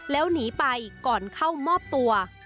แล้วหนีไปก่อนเข้ามอบตัว